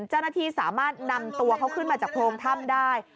เจ้าหน้าที่สามารถนำตัวเขาขึ้นมาจากโพรงถ้ำได้